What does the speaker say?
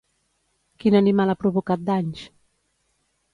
Quin animal ha provocat danys?